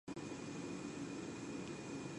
The train originates and ends at the same station.